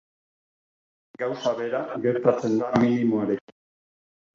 Gauza bera gertatzen da minimoarekin.